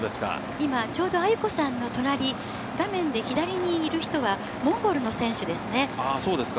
今、ちょうど亜由子さんの隣、画面で左にいる人は、モンゴルのそうですか。